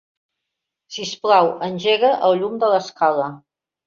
Sisplau, engega el llum de l'escala.